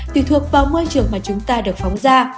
tùy thuộc vào môi trường mà chúng ta được phóng ra